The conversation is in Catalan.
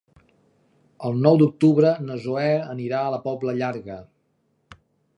El nou d'octubre na Zoè anirà a la Pobla Llarga.